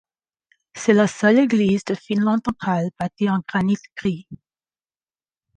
C'est la seule église de Finlande-Centrale bâtie en granite gris.